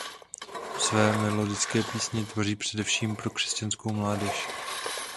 Své melodické písně tvoří především pro křesťanskou mládež.